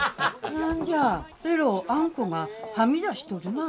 何じゃえろうあんこがはみ出しとるなあ。